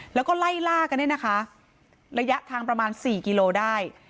แล้วก็ไล่ล่ากันเนี่ยนะคะระยะทางประมาณ๔กิโลได้